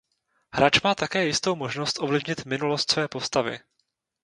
Hráč má také jistou možnost ovlivnit minulost své postavy.